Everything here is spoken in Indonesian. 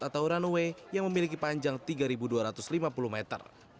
atau runway yang memiliki panjang tiga dua ratus lima puluh meter